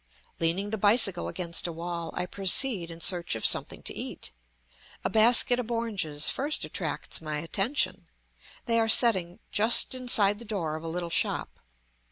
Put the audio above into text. Leaning the bicycle against a wall, I proceed in search of something to eat. A basket of oranges first attracts my attention; they are setting just inside the door of a little shop.